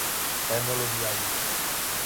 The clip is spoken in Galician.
Vémolo día a día.